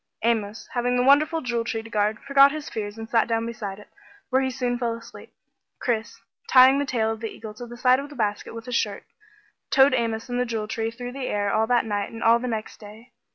Amos, having the wonderful Jewel Tree to guard, forgot his fears and sat down beside it, where he soon fell asleep. Chris, tying the tail of the eagle to the side of the basket with his shirt, towed Amos and the Jewel Tree through the air all that night and all the next day.